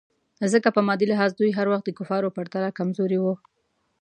ځکه په مادي لحاظ دوی هر وخت د کفارو پرتله کمزوري وو.